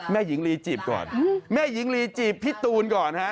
หญิงลีจีบก่อนแม่หญิงลีจีบพี่ตูนก่อนฮะ